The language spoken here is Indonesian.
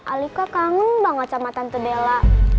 alika kangen banget sama tante bella